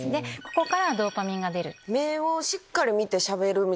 ここからドーパミンが出る。